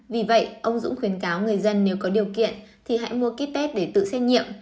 vì vậy ông dũng khuyến cáo người dân nếu có điều kiện thì hãy mua ký test để tự xét nghiệm